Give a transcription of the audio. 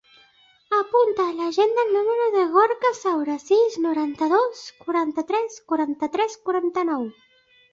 Apunta a l'agenda el número del Gorka Saura: sis, noranta-dos, quaranta-tres, quaranta-tres, quaranta-nou.